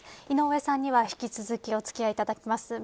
井上さんには引き続きお付き合いいただきます。